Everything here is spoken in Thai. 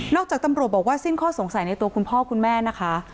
จากตำรวจบอกว่าสิ้นข้อสงสัยในตัวคุณพ่อคุณแม่นะคะ